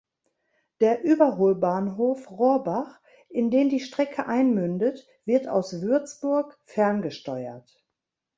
Der Überholbahnhof Rohrbach, in den die Strecke einmündet, wird aus Würzburg ferngesteuert.